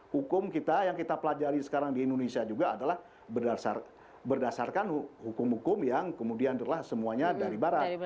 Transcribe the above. hukum kita yang kita pelajari sekarang di indonesia juga adalah berdasarkan hukum hukum yang kemudian adalah semuanya dari barat